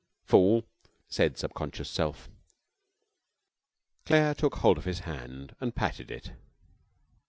'Fool!' said Subconscious Self. Claire took hold of his hand and patted it.